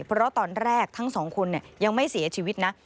เพราะตอนแรกทั้งสองคนยังไม่เสียชีวิตนะ